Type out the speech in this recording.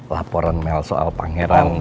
laporan mel soal pangeran